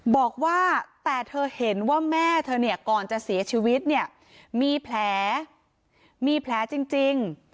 บอกว่าแต่เธอเห็นว่าแม่เธอเนี่ยก่อนจะเสียชีวิตเนี่ยมีแผลมีแผลจริง